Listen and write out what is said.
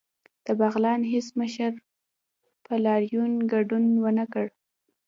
د بغلان هیڅ مشر په لاریون کې ګډون ونکړ